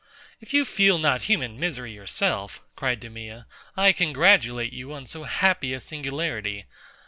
If you feel not human misery yourself, cried DEMEA, I congratulate you on so happy a singularity.